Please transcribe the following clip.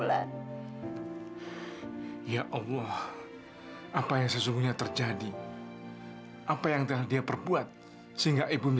jangankan masuk ke kamar berdua di tempat terbuka tuh nggak boleh